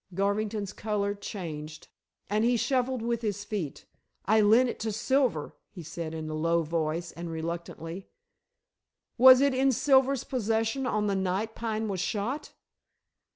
Garvington's color changed and he shuffled with his feet. "I lent it to Silver," he said in a low voice, and reluctantly. "Was it in Silver's possession on the night Pine was shot?"